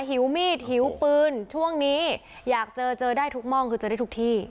หิวมีดหิวปืนช่วงนี้อยากเจอเจอได้ทุกม่องคือเจอได้ทุกที่